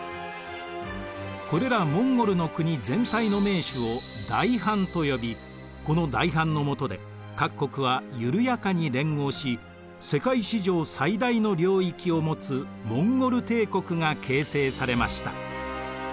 これらモンゴルの国全体の盟主を大ハンと呼びこの大ハンのもとで各国はゆるやかに連合し世界史上最大の領域を持つモンゴル帝国が形成されました。